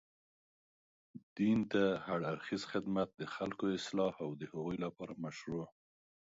دين ته هر اړخيزه خدمت، د خلګو اصلاح او د هغوی لپاره مشروع